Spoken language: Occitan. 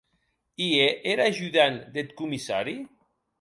I é er ajudant deth comissari?